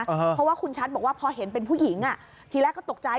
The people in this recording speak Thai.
เพราะว่าคุณชัดบอกว่าพอเห็นเป็นผู้หญิงทีแรกก็ตกใจ